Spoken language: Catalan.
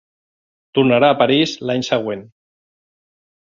Tornarà a París l'any següent.